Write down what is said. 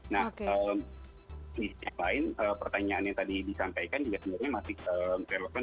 nah di sisi yang lain pertanyaan yang tadi disampaikan juga sebenarnya masih relevan